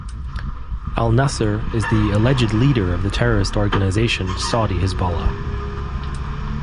Al-Nasser is the alleged leader of the terrorist organization, Saudi Hizballah.